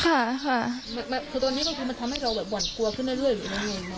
คือตัวนี้มันทำให้เราแบบหวั่นกลัวขึ้นได้รึยังไง